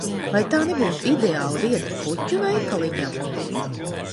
Vai tā nebūtu ideāla vieta puķu veikaliņam?